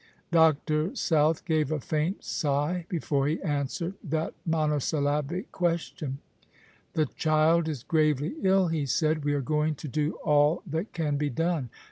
Dr. South gave a faint sigh before he answered that monosyllabic question. "The child is gravely ill," he said. "We are going to do all that can be done. ]\Ir.